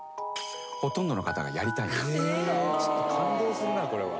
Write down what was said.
ほとんどの方が「やりたい」感動するなこれは。